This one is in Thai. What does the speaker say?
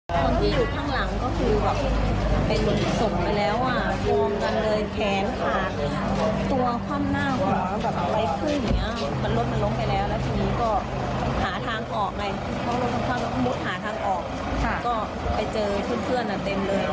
คนที่อยู่ข้างหลังก็คือแบบเป็นหนุ่มศพไปแล้ว